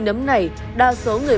nấm hạt đông luôn